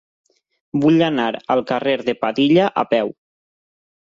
Vull anar al carrer de Padilla a peu.